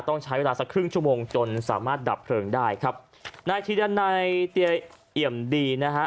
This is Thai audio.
ต้องใช้เวลาสักครึ่งชั่วโมงจนสามารถดับเพลิงได้ครับนายทีดันัยเตียเอี่ยมดีนะฮะ